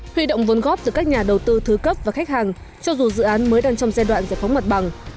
huy động vốn góp từ các nhà đầu tư thứ cấp và khách hàng cho dù dự án mới đang trong giai đoạn giải phóng mặt bằng